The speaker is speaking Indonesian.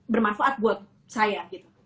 bermanfaat buat saya